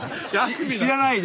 知らないで。